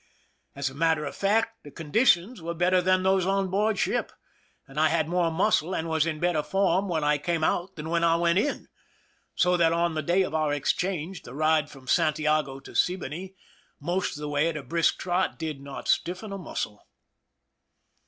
As a matter of fact, the conditions were better than those on board ship, and I had more muscle and was in better form when I came out than when I went in ; so that, on the day of our exchange, the ride from Santiago to Siboney, most of the way at a brisk trot, did not stiffen a muscle.